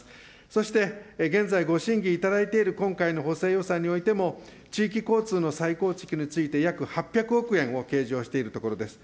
そして現在ご審議いただいている今回の補正予算においても、地域交通の再構築について約８００億円を計上しているところです。